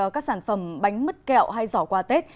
các sản phẩm bánh mứt kẹo hay giỏ quà tết